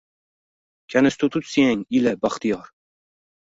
Konstitutsiyang ila baxtiyor